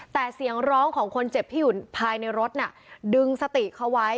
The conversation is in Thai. แต่เสียงร้องของคนเจ็บที่อยู่ภายในรถน่ะดึงสติเขาไว้